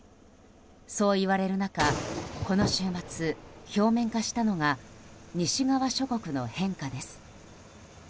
そういわれる中この週末、表面化したのが西側諸国の変化です。